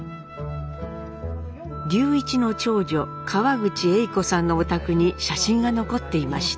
隆一の長女川口英子さんのお宅に写真が残っていました。